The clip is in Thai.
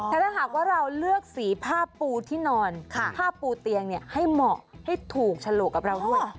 แต่ถ้าหากว่าเราเลือกสีผ้าปูที่นอนผ้าปูเตียงให้เหมาะให้ถูกฉลกกับเราด้วย